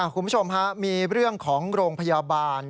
คุณผู้ชมฮะมีเรื่องของโรงพยาบาล